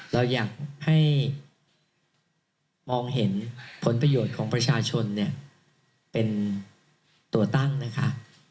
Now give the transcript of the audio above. เราอยากให้มองเห็นผลประโยชน์ของประชาชนเนี่ยเป็นตัวตั้งนะคะ